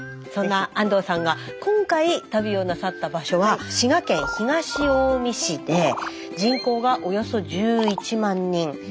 そんな安藤さんが今回旅をなさった場所は滋賀県東近江市で人口がおよそ１１万人。